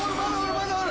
まだおる。